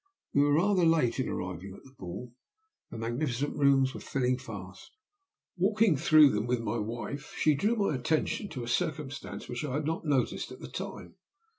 "We were rather late in arriving at the ball. The magnificent rooms were filling fast. Walking through them with my wife, she drew my attention to a circumstance which I had not noticed at the time.